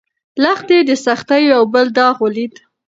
لښتې د سختیو یو بل داغ ولید.